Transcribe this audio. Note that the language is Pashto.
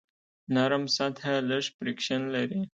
نرم سطحه لږ فریکشن لري.